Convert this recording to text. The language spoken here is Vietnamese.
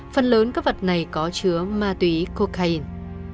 phần lớn các vật này có chứa ma túy cocaine